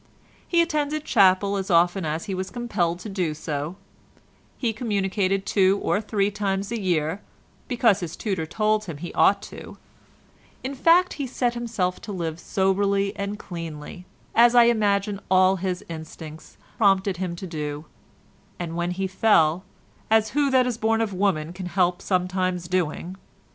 He attended chapel as often as he was compelled to do so; he communicated two or three times a year, because his tutor told him he ought to; in fact he set himself to live soberly and cleanly, as I imagine all his instincts prompted him to do, and when he fell—as who that is born of woman can help sometimes doing?